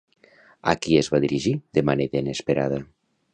A qui es va dirigir, de manera inesperada?